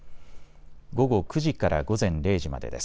午後９時から午前０時までです。